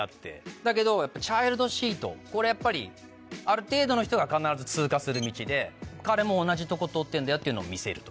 だけど「チャイルドシート」これやっぱりある程度の人が必ず通過する道で彼も同じとこ通ってんだよっていうのを見せると。